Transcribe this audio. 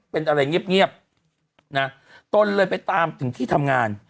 เป็นอะไรเงียบนะตนเลยไปตามถึงที่ทำงาน